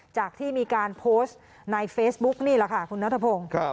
จากที่มีการโพสต์ในเฟซบุ๊กนี่แหละค่ะคุณนัทพงศ์